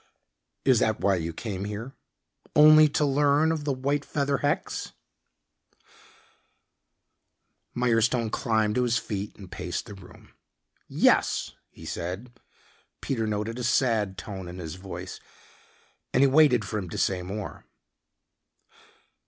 "Is that why you came here? Only to learn of the white feather hex?" Mirestone climbed to his feet and paced the room. "Yes," he said. Peter noted a sad tone in his voice, and he waited for him to say more.